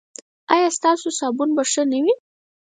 ایا ستاسو صابون به ښه نه وي؟